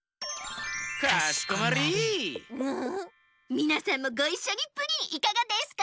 みなさんもごいっしょにプリンいかがですか？